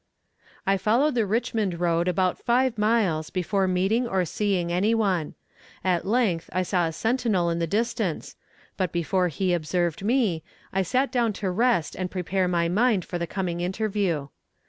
I followed the Richmond road about five miles before meeting or seeing any one. At length I saw a sentinel in the distance, but before he observed me I sat down to rest and prepare my mind for the coming interview.